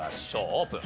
オープン。